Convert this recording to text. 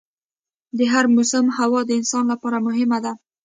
د هر موسم هوا د انسان لپاره مهم ده.